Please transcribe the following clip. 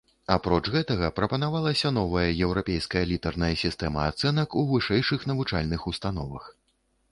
Апроч гэтага прапанавалася новая еўрапейская літарная сістэма ацэнак у вышэйшых навучальных установах.